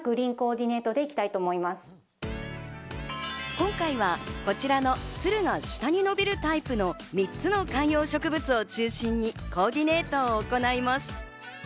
今回はこちらのツルが下に伸びるタイプの３つの観葉植物を中心にコーディネートを行います。